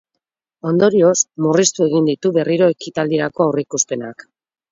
Ondorioz, murriztu egin ditu berriro ekitaldirako aurreikuspenak.